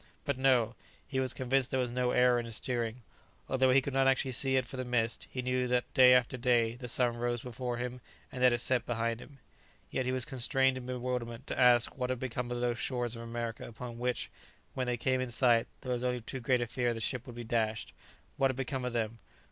But no: he was convinced there was no error in his steering. Although he could not actually see it for the mist, he knew that day after day the sun rose before him, and that it set behind him. Yet he was constrained in bewilderment to ask, what had become of those shores of America upon which, when they came in sight, there was only too great a fear the ship should be dashed? what had become of them?